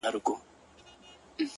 خو هغې دغه ډالۍ!!